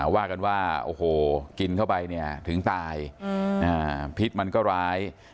ว่ากันว่ากินเข้าไปถึงตายพิษมันก็ร้าย